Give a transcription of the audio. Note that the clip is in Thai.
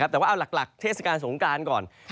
แต่ว่าเอาหลักเทศกาลสงการก่อน